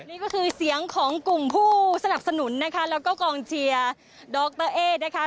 นี่ก็คือเสียงของกลุ่มผู้สนับสนุนนะคะแล้วก็กองเชียร์ดรเอ๊นะคะ